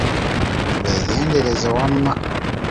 Mubeegendereze wamma.